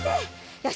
よし。